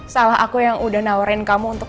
salah aku yang udah nawarin kamu untuk